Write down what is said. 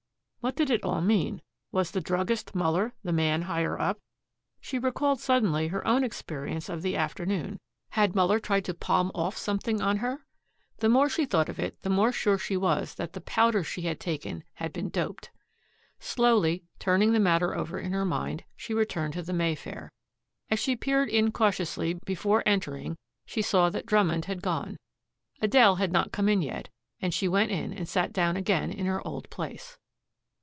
What did it all mean? Was the druggist, Muller, the man higher up? She recalled suddenly her own experience of the afternoon. Had Muller tried to palm off something on her? The more she thought of it the more sure she was that the powders she had taken had been doped. Slowly, turning the matter over in her mind, she returned to the Mayfair. As she peered in cautiously before entering she saw that Drummond had gone. Adele had not come in yet, and she went in and sat down again in her old place.